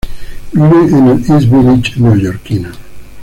Vive en el East Village neoyorquino.